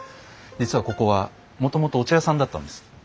実はここはもともとお茶屋さんだったんです。